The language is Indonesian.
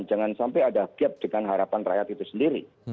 jangan sampai ada gap dengan harapan rakyat itu sendiri